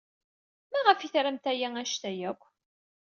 Maɣef ay tramt aya anect-a akk?